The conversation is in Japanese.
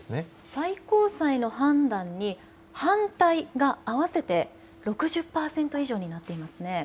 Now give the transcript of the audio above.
最高裁の判断に反対が合わせて６０％以上になっていますね。